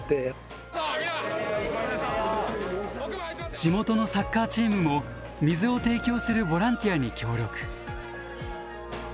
地元のサッカーチームも水を提供するボランティアに協力。